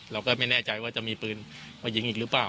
เราก็ไม่แน่ใจว่าจะมีปืนมายิงอีกหรือเปล่า